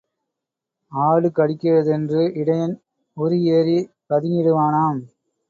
ஆடு கடிக்கிறதென்று இடையன் உறி ஏறிப் பதுங்கிடுவானாம்.